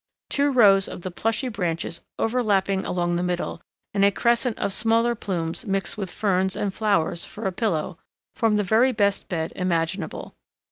Two rows of the plushy branches overlapping along the middle, and a crescent of smaller plumes mixed with ferns and flowers for a pillow, form the very best bed imaginable.